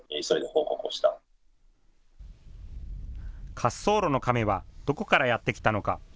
滑走路のカメはどこからやって来たのか。